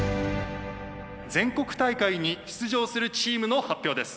全国大会に出場するチームの発表です。